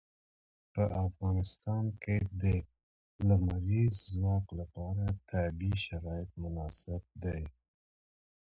په افغانستان کې د لمریز ځواک لپاره طبیعي شرایط مناسب دي.